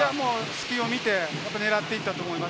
隙を見て狙っていったと思います。